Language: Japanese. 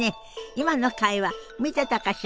今の会話見てたかしら？